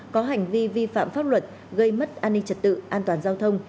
có hành vi vi phạm pháp luật gây mất an ninh trật tự an toàn giao thông